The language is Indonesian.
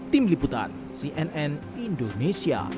tim liputan cnn indonesia